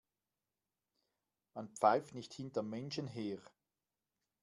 Man pfeift nicht hinter Menschen her.